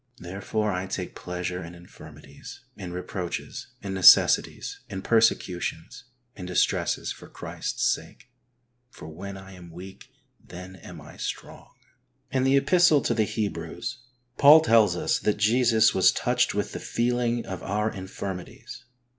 Therefore I take pleasure in infirmities, in reproaches, in necessities, in persecutions, in distresses for Christ's sake, for when I am weak, then am I strong." In the Epistle to the Hebrews, Paul tells us that Jesus was " touched with the feeling of our infirmities."